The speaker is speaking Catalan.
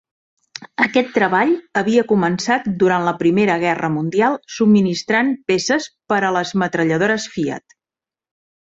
Aquest treball havia començat durant la Primera Guerra Mundial subministrant peces per a les metralladores Fiat.